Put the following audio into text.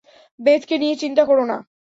বেথকে নিয়ে চিন্তা কোরো না।